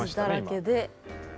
傷だらけで。